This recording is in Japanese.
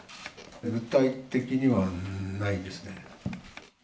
具体的にはないですね。